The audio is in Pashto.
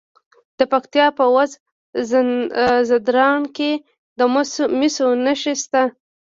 د پکتیا په وزه ځدراڼ کې د مسو نښې شته.